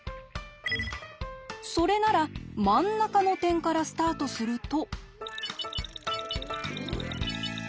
それなら真ん中の点からスタートすると。